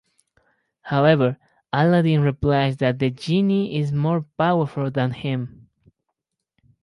However, Aladdin replies that the Genie is more powerful than him.